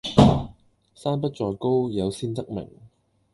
山不在高，有仙則名